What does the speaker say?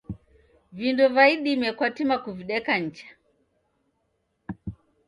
Vindo va idime kwatima kuvideka nicha